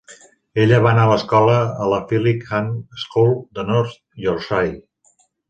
Ella va anar a l'escola a la Fyling Hall School de North Yorkshire.